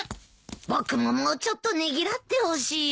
僕ももうちょっとねぎらってほしいよ。